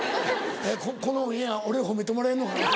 「このオンエア俺褒めてもらえるのかな」。